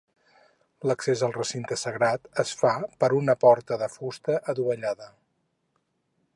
L'accés al recinte sagrat es fa per una porta de fusta adovellada.